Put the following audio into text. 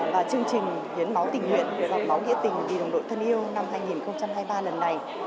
và chương trình hiến máu tình nguyện giọt máu nghĩa tình vì đồng đội thân yêu năm hai nghìn hai mươi ba lần này